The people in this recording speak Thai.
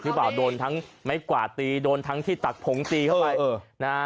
หรือเปล่าโดนทั้งไม้กว่าตีโดนทั้งที่ตักผงตีเข้าไปนะ